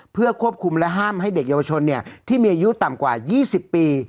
เพื่อควบคุมและห้ามให้เด็กเยาวชนที่มีอายุต่ำกว่า๒๐ปี